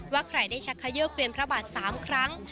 ว่าใครได้ชักขยกเวียนพระบาท๓ครั้ง